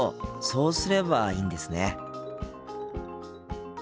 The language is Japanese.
そうすればいいんですね。